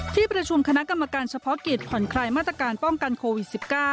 ที่ประชุมคณะกรรมการเฉพาะกิจผ่อนคลายมาตรการป้องกันโควิด๑๙